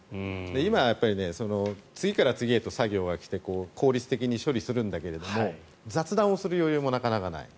今、次から次へ作業が来て効率的に処理するんだけど雑談をする余裕もなかなかない。